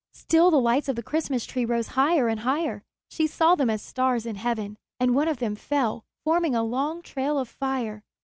Still the lights of the Christmas tree rose higher and higher. She saw them as stars in heaven, and one of them fell, forming a long trail of fire.